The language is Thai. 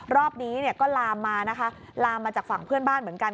รอบนี้ก็ลามมานะคะลามมาจากฝั่งเพื่อนบ้านเหมือนกัน